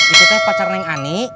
itu kan pacar nek ani